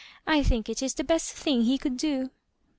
I think it is the best thing he could do."